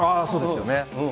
そうですよね。